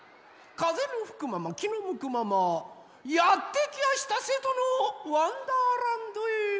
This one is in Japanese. かぜのふくままきのむくままやってきやした瀬戸の「わんだーらんど」へ。